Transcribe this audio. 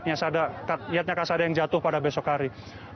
yatnya kasada yang jatuh pada besok hari